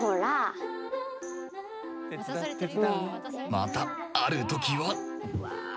またあるときは